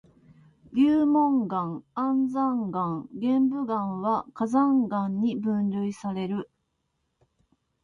流紋岩、安山岩、玄武岩は火山岩に分類される。